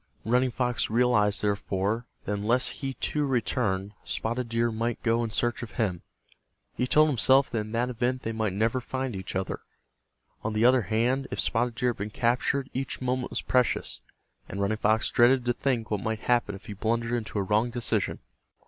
Running Fox realized, therefore, that unless he, too, returned, Spotted Deer might go in search of him. He told himself that in that event they might never find each other. On the other hand if Spotted Deer had been captured each moment was precious, and Running Fox dreaded to think what might happen if he blundered into a wrong decision.